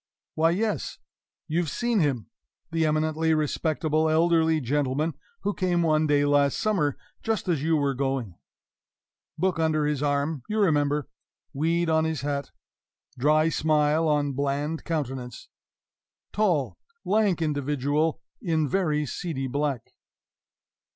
Why, yes! You've seen him the eminently respectable elderly gentleman who came one day last summer just as you were going; book under his arm, you remember; weed on his hat; dry smile on bland countenance; tall, lank individual in very seedy black.